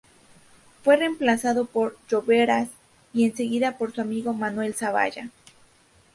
Fue reemplazado por Lloveras, y enseguida por su amigo Manuel Zavalla.